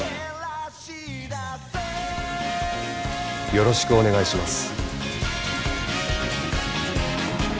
よろしくお願いします。